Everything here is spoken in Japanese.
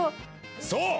そう！